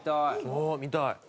おお見たい。